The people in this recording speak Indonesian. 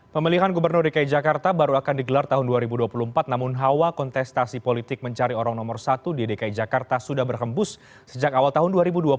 pemilihan gubernur dki jakarta baru akan digelar tahun dua ribu dua puluh empat namun hawa kontestasi politik mencari orang nomor satu di dki jakarta sudah berhembus sejak awal tahun dua ribu dua puluh